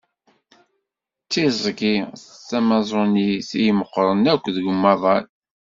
D tiẓgi Tamaẓunit i imeqqren akk deg umaḍal.